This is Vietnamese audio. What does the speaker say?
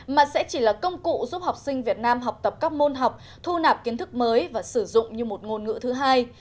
mà sẽ chỉ là công cụ giúp học sinh việt nam học tập các môn học thu nạp kiến thức mới và sử dụng như một ngôn ngữ thứ hai